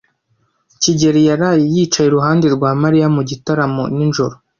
kigeli yaraye yicaye iruhande rwa Mariya mu gitaramo nijoro.